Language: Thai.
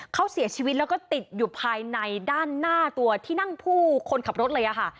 เขาเสียชีวิตแล้วก็ติดอยู่ภายในด้านหน้าตัวที่นั่งผู้คนขับรถเลยค่ะ